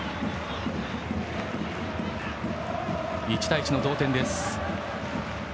１対１の同点です。